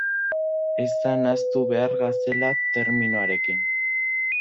Ez da nahastu behar gazela terminoarekin.